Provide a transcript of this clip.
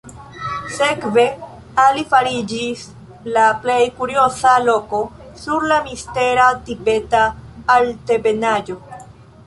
Sekve Ali fariĝis la plej kurioza loko sur la mistera Tibeta Altebenaĵo.